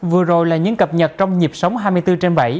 vừa rồi là những cập nhật trong nhịp sống hai mươi bốn trên bảy